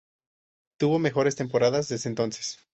Tuvo mejores temporadas desde entonces.